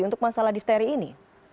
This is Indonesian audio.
untuk masalah diphteri ini